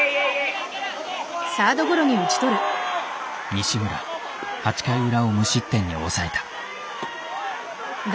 西村８回裏を無失点に抑えた。